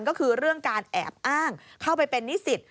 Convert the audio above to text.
ก็คือเรื่องการแอบอ้างเข้าไปเป็นนิสิต